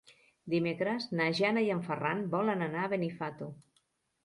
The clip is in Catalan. Dimecres na Jana i en Ferran volen anar a Benifato.